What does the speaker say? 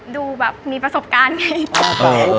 ดูแบบมีประสบการณ์ไง